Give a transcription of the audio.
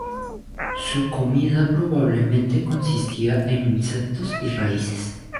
Su comida probablemente consistía en insectos y raíces.